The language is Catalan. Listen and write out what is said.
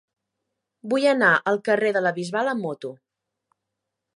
Vull anar al carrer de la Bisbal amb moto.